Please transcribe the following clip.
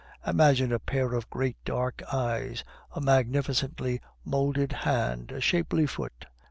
Imagine a pair of great dark eyes, a magnificently moulded hand, a shapely foot.